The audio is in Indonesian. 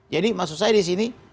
jadi maksud saya disini